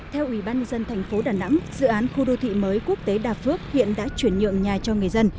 theo ủy ban nhân dân thành phố đà nẵng dự án khu đô thị mới quốc tế đà phước hiện đã chuyển nhượng nhà cho người dân